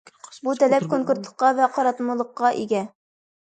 بۇ تەلەپ كونكرېتلىققا ۋە قاراتمىلىققا ئىگە.